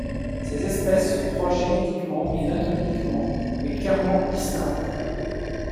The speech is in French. Ces espèces sont proches génétiquement et anatomiquement, mais clairement distinctes.